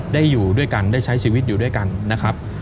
อยู่ด้วยกันได้ใช้ชีวิตอยู่ด้วยกันนะครับ